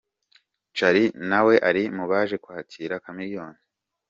Charly nawe ari mubaje kwakira Chameleone.